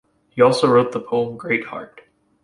He also wrote the poem Greatheart.